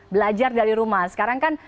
belajar dari rumah sekarang kan